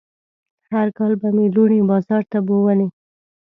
هر کال به مې لوڼې بازار ته بوولې.